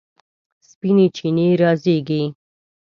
سپینې چینې رازیږي